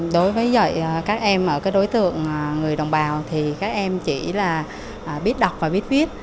đối với dạy các em ở cái đối tượng người đồng bào thì các em chỉ là biết đọc và biết viết